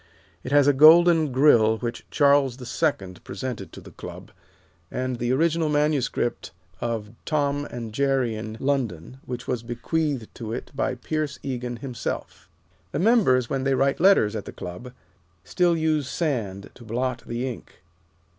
It has a golden Grill which Charles the Second presented to the Club, and the original manuscript of "Tom and Jerry in London," which was bequeathed to it by Pierce Egan himself. The members, when they write letters at the Club, still use sand to blot the ink.